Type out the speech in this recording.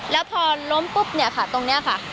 แล้วพอล้มปุ๊บเนี่ยค่ะตรงนี้ค่ะ